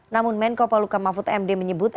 namun menko paluka mahfud md menyebut